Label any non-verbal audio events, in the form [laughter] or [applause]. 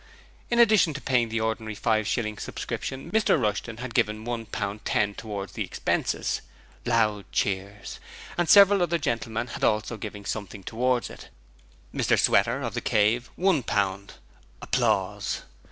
In addition to paying the ordinary five shilling subscription, Mr Rushton had given one pound ten towards the expenses. (Loud cheers.) And several other gentlemen had also given something towards it. Mr Sweater, of the Cave, one pound. [applause]